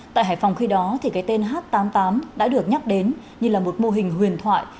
tại hải phòng khi đó thì cái tên h tám mươi tám đã được nhắc đến như là một mô hình huyền thoại